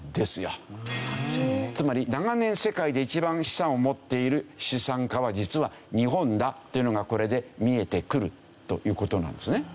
つまり長年世界で一番資産を持っている資産家は実は日本だというのがこれで見えてくるという事なんですね。